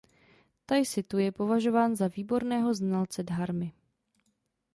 Tai Situ je považován za výborného znalce dharmy.